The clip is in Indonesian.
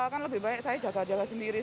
kan lebih baik saya jaga jaga sendiri